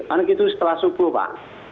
anak itu setelah subuh pak